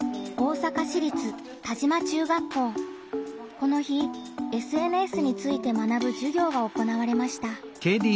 この日ＳＮＳについて学ぶ授業が行われました。